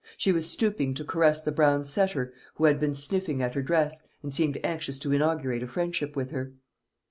She was stooping to caress the brown setter, who had been sniffing at her dress, and seemed anxious to inaugurate a friendship with her.